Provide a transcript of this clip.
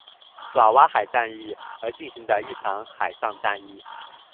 爪哇海战役而进行的一场海上战役。